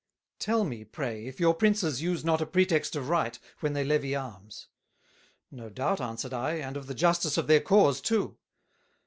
"Tell me, pray, if your Princes use not a pretext of Right, when they levy Arms:" "No doubt," answered I, "and of the Justice of their Cause too."